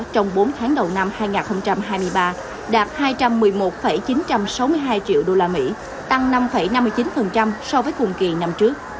trong bốn tháng đầu năm hai nghìn hai mươi ba đạt hai trăm một mươi một chín trăm sáu mươi hai triệu usd tăng năm năm mươi chín so với cùng kỳ năm trước